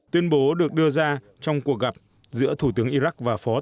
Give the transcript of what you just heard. tuyên bố được đưa ra trong cuộc gặp giữa thủ tướng iraq và phó thủ